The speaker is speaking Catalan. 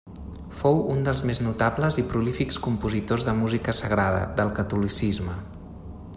Fou un dels més notables i prolífics compositors de música sagrada, del catolicisme.